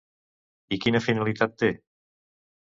I quina finalitat té?